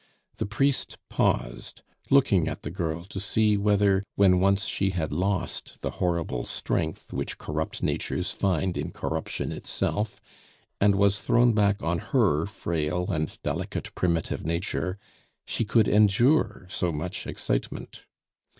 The priest paused, looking at the girl to see whether, when once she had lost the horrible strength which corrupt natures find in corruption itself, and was thrown back on her frail and delicate primitive nature, she could endure so much excitement.